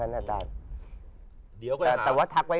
จะได้เตรียมตัวรับไว้